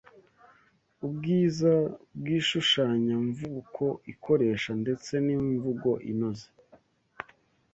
ubwiza bw’ishushanyamvuko ikoresha ndetse n’imvugo inoze,